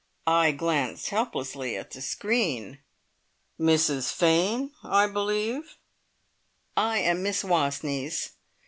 I glanced helplessly at the screen. "Mrs Fane, I believe." "I am Miss Wastneys.